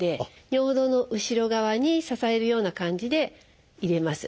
尿道の後ろ側に支えるような感じで入れます。